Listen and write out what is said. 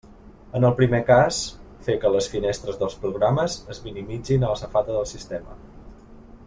En el primer cas, fer que les finestres dels programes es minimitzin a la safata del sistema.